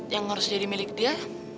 yang harus jadi milik dia